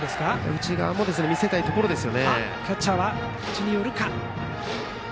内側も見せたいところです。